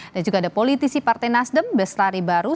dan juga ada politisi partai nasdem beslari baru